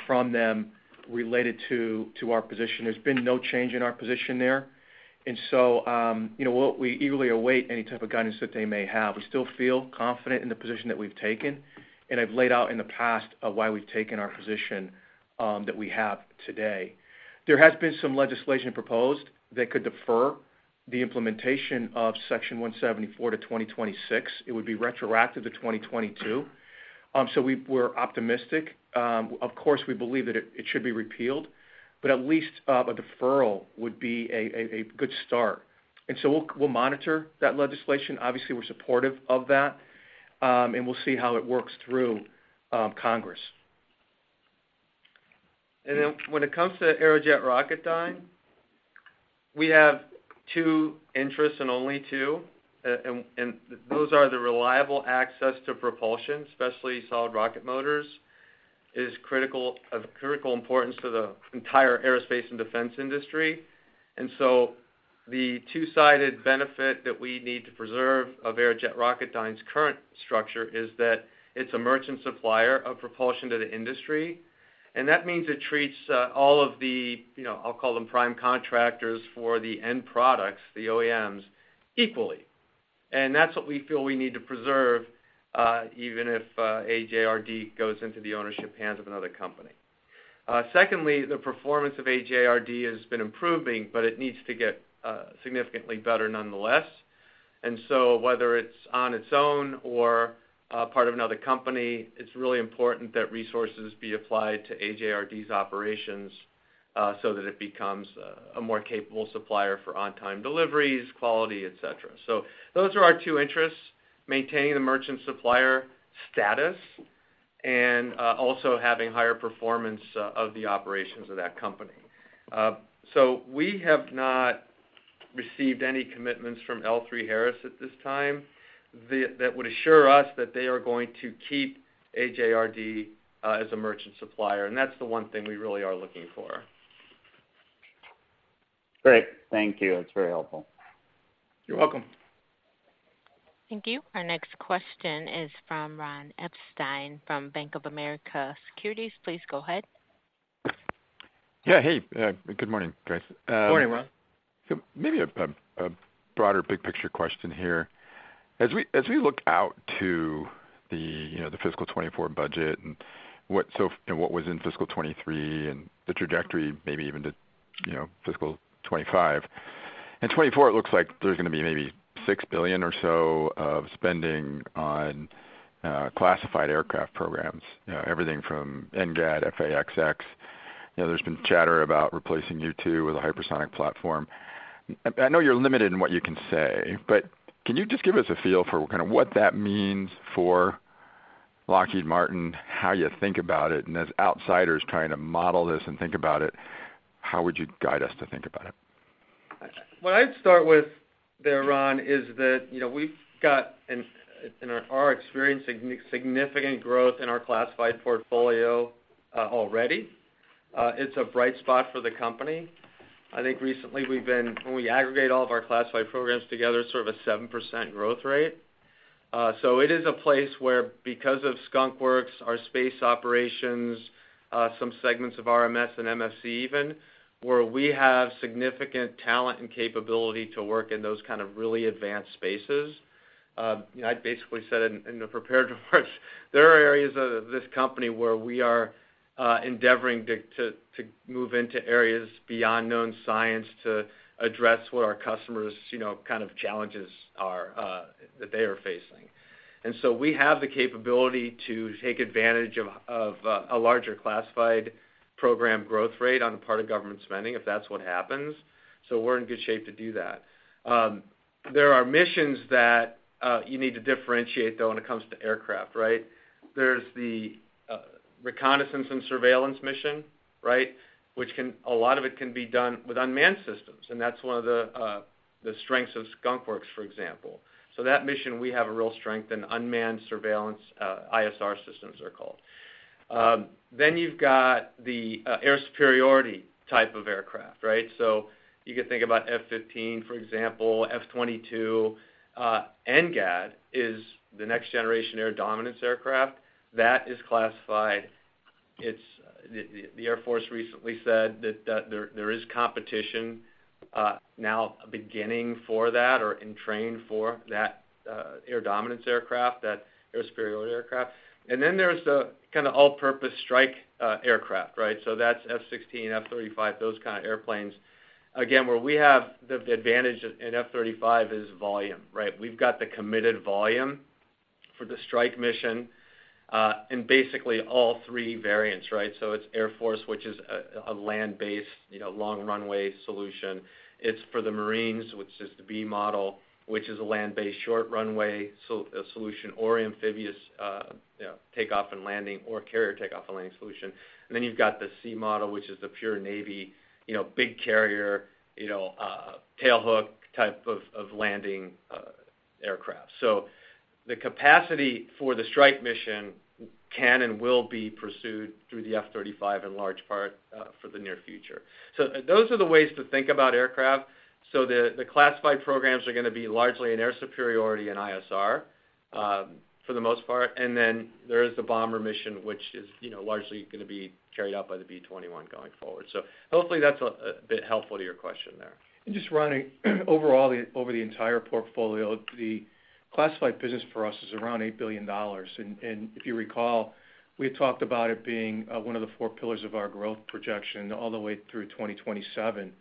from them related to our position. There's been no change in our position there, you know, we eagerly await any type of guidance that they may have. We still feel confident in the position that we've taken, and I've laid out in the past of why we've taken our position that we have today. There has been some legislation proposed that could defer the implementation of Section 174 to 2026, it would be retroactive to 2022. We're optimistic. Of course, we believe that it should be repealed, but at least a deferral would be a good start. We'll monitor that legislation. Obviously, we're supportive of that, and we'll see how it works through Congress.
When it comes to Aerojet Rocketdyne, we have two interests and only two. And those are the reliable access to propulsion, especially solid rocket motors, is of critical importance to the entire aerospace and defense industry. The two-sided benefit that we need to preserve of Aerojet Rocketdyne's current structure is that it's a merchant supplier of propulsion to the industry, and that means it treats all of the, you know, I'll call them prime contractors for the end products, the OEMs, equally. That's what we feel we need to preserve, even if AJRD goes into the ownership hands of another company. Secondly, the performance of AJRD has been improving, but it needs to get significantly better nonetheless. Whether it's on its own or part of another company, it's really important that resources be applied to AJRD's operations, so that it becomes a more capable supplier for on-time deliveries, quality, et cetera. Those are our two interests, maintaining the merchant supplier status and also having higher performance of the operations of that company. We have not received any commitments from L3Harris at this time, that would assure us that they are going to keep AJRD as a merchant supplier, and that's the one thing we really are looking for.
Great. Thank you. That's very helpful.
You're welcome.
Thank you. Our next question is from Ron Epstein from Bank of America Securities. Please go ahead.
Yeah, hey. Good morning, guys.
Good morning, Ron.
Maybe a broader, big picture question here. As we look out to the, you know, the fiscal 2024 budget and what was in fiscal 2023 and the trajectory, maybe even to, you know, fiscal 2025. In 2024, it looks like there's gonna be maybe $6 billion or so of spending on classified aircraft programs, you know, everything from NGAD, F/A-XX. You know, there's been chatter about replacing U-2 with a hypersonic platform. I know you're limited in what you can say, but can you just give us a feel for kind of what that means for Lockheed Martin, how you think about it, and as outsiders trying to model this and think about it, how would you guide us to think about it?
What I'd start with there, Ron, is that, you know, we've got, in our experience, significant growth in our classified portfolio already. It's a bright spot for the company. I think recently when we aggregate all of our classified programs together, sort of a 7% growth rate. So it is a place where, because of Skunk Works, our space operations, some segments of RMS and MFC even, where we have significant talent and capability to work in those kind of really advanced spaces. You know, I basically said it in the prepared remarks, there are areas of this company where we are endeavoring to move into areas beyond known science to address what our customers, you know, kind of challenges are that they are facing. We have the capability to take advantage of a larger classified program growth rate on the part of government spending, if that's what happens, so we're in good shape to do that. There are missions that you need to differentiate, though, when it comes to aircraft, right? There's the reconnaissance and surveillance mission, right? A lot of it can be done with unmanned systems, and that's one of the strengths of Skunk Works, for example. So that mission, we have a real strength in unmanned surveillance, ISR systems, they're called. Then you've got the air superiority type of aircraft, right? So you could think about F-15, for example, F-22. NGAD is the Next-Generation Air Dominance aircraft. That is classified. The Air Force recently said that there is competition now beginning for that or in train for that air dominance aircraft, that air superiority aircraft. There's the kind of all-purpose strike aircraft, right? That's F-16, F-35, those kind of airplanes. Where we have the advantage in F-35 is volume, right? We've got the committed volume for the strike mission in basically all three variants, right? It's Air Force, which is a land-based, you know, long runway solution. It's for the Marines, which is the B model, which is a land-based short runway solution, or amphibious, you know, takeoff and landing, or carrier takeoff and landing solution. You've got the C model, which is the pure Navy, you know, big carrier, you know, tailhook type of landing aircraft. The capacity for the strike mission can and will be pursued through the F-35 in large part for the near future. Those are the ways to think about aircraft. The classified programs are gonna be largely in air superiority and ISR for the most part, and then there is the bomber mission, which is, you know, largely gonna be carried out by the B-21 going forward. Hopefully, that's a bit helpful to your question there.
Just, Ron, overall, over the entire portfolio, the classified business for us is around $8 billion. If you recall, we had talked about it being one of the four pillars of our growth projection all the way through 2027.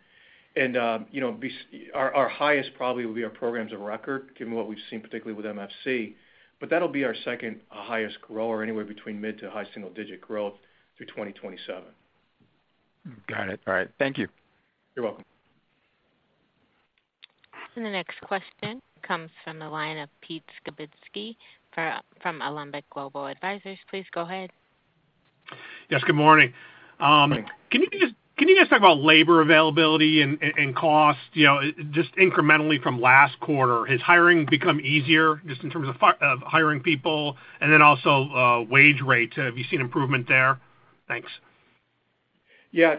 You know, our highest probably will be our programs of record, given what we've seen, particularly with MFC, but that'll be our second highest grower, anywhere between mid to high single-digit growth through 2027.
Got it. All right. Thank you.
You're welcome.
The next question comes from the line of Peter Skibitski from Alembic Global Advisors. Please go ahead.
Yes, good morning. Can you guys talk about labor availability and cost, you know, just incrementally from last quarter. Has hiring become easier, just in terms of hiring people, and then also, wage rates, have you seen improvement there? Thanks.
Yeah.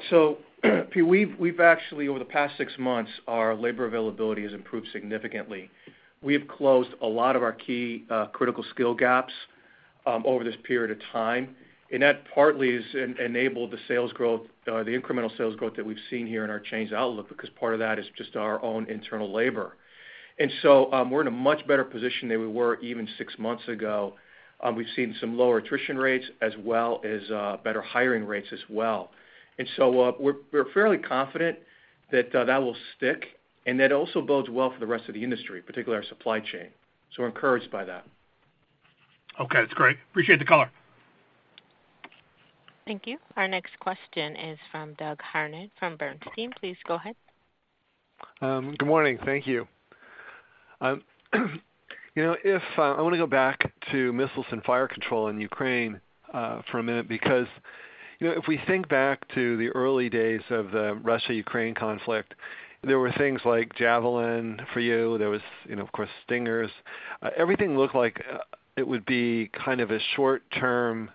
Pete, we've actually, over the past six months, our labor availability has improved significantly. We have closed a lot of our key, critical skill gaps, over this period of time, and that partly has enabled the sales growth, the incremental sales growth that we've seen here in our changed outlook, because part of that is just our own internal labor. We're in a much better position than we were even six months ago. We've seen some lower attrition rates as well as better hiring rates as well. We're fairly confident that that will stick, and that also bodes well for the rest of the industry, particularly our supply chain. We're encouraged by that.
Okay, that's great. Appreciate the color.
Thank you. Our next question is from Doug Harned, from Bernstein. Please go ahead.
Good morning. Thank you. You know, if I want to go back to Missiles and Fire Control in Ukraine for a minute, because, you know, if we think back to the early days of the Russia-Ukraine conflict, there were things like Javelin for you, there was, you know, of course, Stingers. Everything looked like it would be kind of a short-term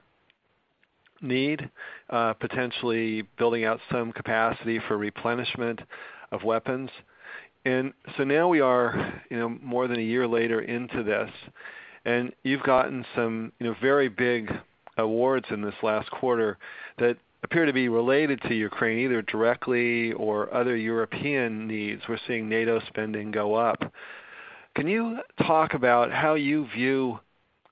need, potentially building out some capacity for replenishment of weapons. Now we are, you know, more than a year later into this, and you've gotten some, you know, very big awards in this last quarter that appear to be related to Ukraine, either directly or other European needs. We're seeing NATO spending go up. Can you talk about how you view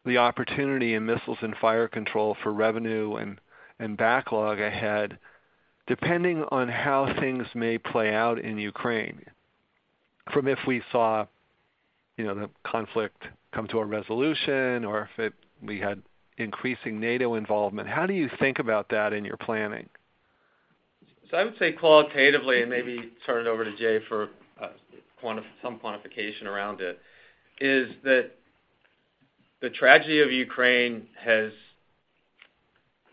the opportunity in missiles and fire control for revenue and backlog ahead, depending on how things may play out in Ukraine, from if we saw, you know, the conflict come to a resolution, or if we had increasing NATO involvement? How do you think about that in your planning?
I would say qualitatively, and maybe turn it over to Jay for some quantification around it, is that the tragedy of Ukraine has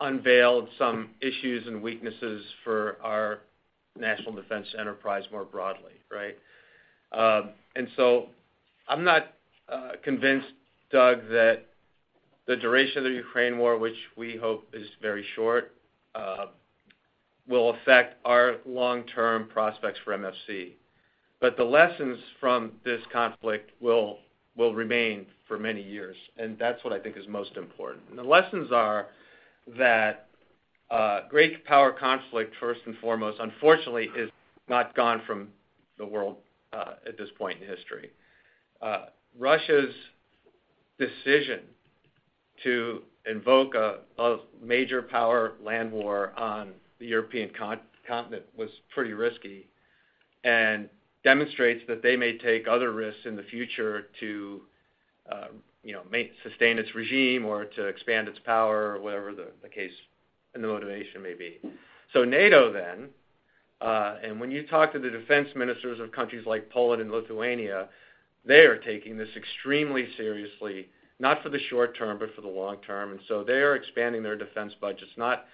unveiled some issues and weaknesses for our national defense enterprise more broadly, right? I'm not convinced, Doug, that the duration of the Ukraine war, which we hope is very short, will affect our long-term prospects for MFC. The lessons from this conflict will remain for many years, and that's what I think is most important. The lessons are that great power conflict, first and foremost, unfortunately, is not gone from the world at this point in history. Russia's decision to invoke a major power land war on the European continent was pretty risky and demonstrates that they may take other risks in the future to, you know, sustain its regime or to expand its power or whatever the case and the motivation may be. NATO then, and when you talk to the defense ministers of countries like Poland and Lithuania, they are taking this extremely seriously, not for the short term, but for the long term. They're expanding their defense budgets, not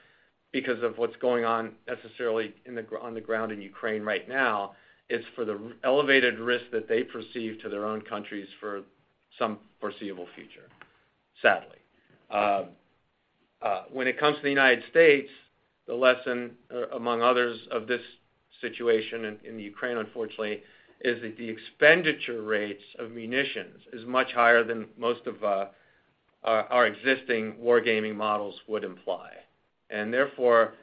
because of what's going on necessarily on the ground in Ukraine right now. It's for the elevated risk that they perceive to their own countries for some foreseeable future, sadly. When it comes to the U.S., the lesson, among others of this situation in Ukraine, unfortunately, is that the expenditure rates of munitions is much higher than most of our existing wargaming models would imply. Therefore,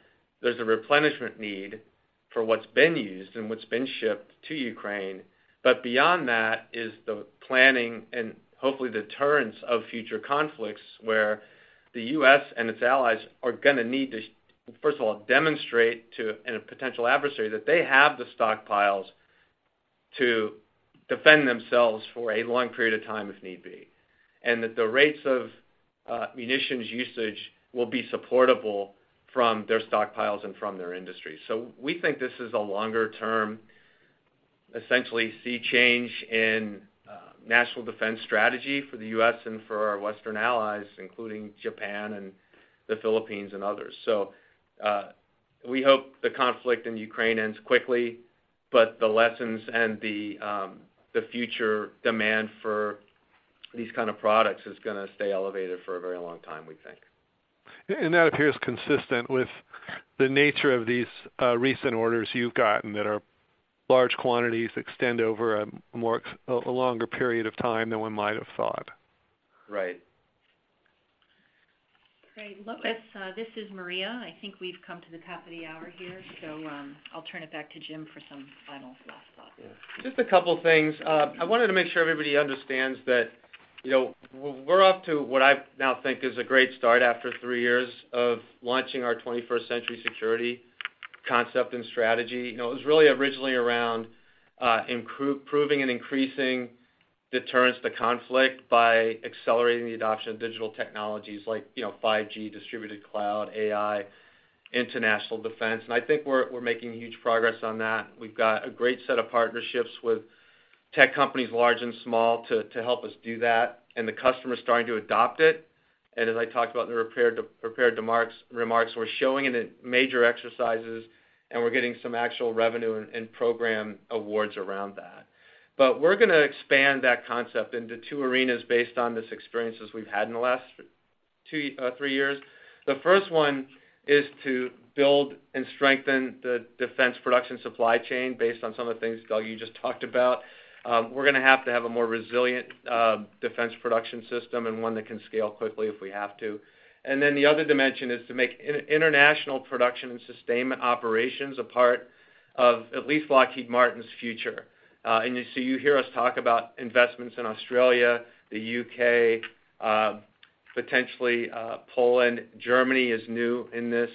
there's a replenishment need for what's been used and what's been shipped to Ukraine. Beyond that is the planning and hopefully deterrence of future conflicts, where the U.S. and its allies are gonna need to, first of all, demonstrate to, and a potential adversary, that they have the stockpiles to defend themselves for a long period of time, if need be, and that the rates of munitions usage will be supportable from their stockpiles and from their industry. We think this is a longer term, essentially, sea change in national defense strategy for the U.S. and for our Western allies, including Japan and the Philippines and others. We hope the conflict in Ukraine ends quickly, but the lessons and the future demand for these kind of products is gonna stay elevated for a very long time, we think.
That appears consistent with the nature of these recent orders you've gotten that are large quantities, extend over a more, a longer period of time than one might have thought.
Right.
Great. Look, this is Maria. I think we've come to the top of the hour here, so I'll turn it back to Jim for some final last thoughts.
Yeah. Just a couple of things. I wanted to make sure everybody understands that, you know, we're off to what I now think is a great start after three years of launching our 21st-century security concept and strategy. You know, it was really originally around proving and increasing deterrence to conflict by accelerating the adoption of digital technologies like, you know, 5G, distributed cloud, AI, international defense. I think we're making huge progress on that. We've got a great set of partnerships with tech companies, large and small, to help us do that, and the customer is starting to adopt it. As I talked about in the prepared remarks, we're showing it in major exercises, and we're getting some actual revenue and program awards around that. We're gonna expand that concept into two arenas based on the experiences we've had in the last two, three years. The first one is to build and strengthen the defense production supply chain, based on some of the things, Doug, you just talked about. We're gonna have to have a more resilient defense production system and one that can scale quickly if we have to. The other dimension is to make international production and sustainment operations a part of at least Lockheed Martin's future. You hear us talk about investments in Australia, the U.K., potentially Poland. Germany is new in this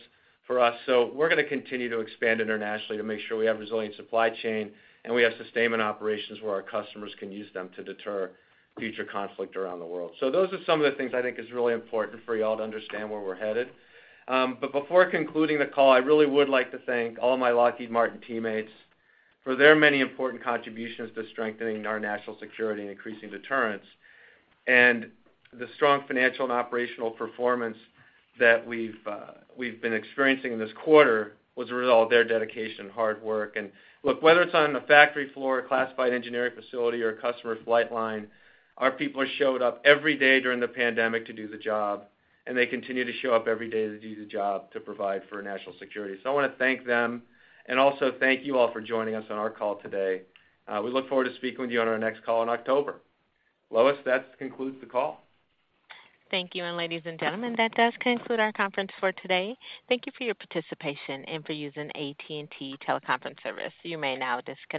for us. We're gonna continue to expand internationally to make sure we have a resilient supply chain, and we have sustainment operations where our customers can use them to deter future conflict around the world. Those are some of the things I think is really important for you all to understand where we're headed. Before concluding the call, I really would like to thank all my Lockheed Martin teammates for their many important contributions to strengthening our national security and increasing deterrence. The strong financial and operational performance that we've been experiencing this quarter was a result of their dedication, hard work. Look, whether it's on the factory floor, classified engineering facility, or customer flight line, our people have showed up every day during the pandemic to do the job, and they continue to show up every day to do the job, to provide for national security. I wanna thank them and also thank you all for joining us on our call today. We look forward to speaking with you on our next call in October. Lois, that concludes the call.
Thank you. Ladies and gentlemen, that does conclude our conference for today. Thank you for your participation and for using AT&T Teleconference service. You may now disconnect.